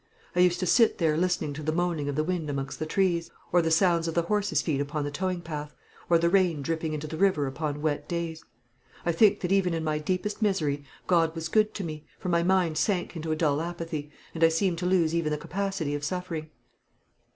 I used to sit there listening to the moaning of the wind amongst the trees, or the sounds of horses' feet upon the towing path, or the rain dripping into the river upon wet days. I think that even in my deepest misery God was good to me, for my mind sank into a dull apathy, and I seemed to lose even the capacity of suffering.